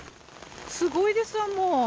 すごいですわ、もう。